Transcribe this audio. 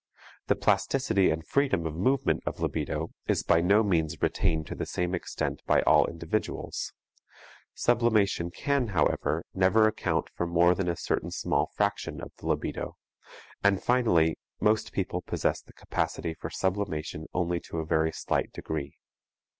The plasticity and freedom of movement of libido is by no means retained to the same extent by all individuals; sublimation can, moreover, never account for more than a certain small fraction of the libido, and finally most people possess the capacity for sublimation only to a very slight degree.